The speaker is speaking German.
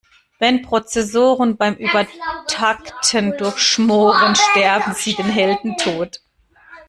Wenn Prozessoren beim Übertakten durchschmoren, sterben sie den Heldentod.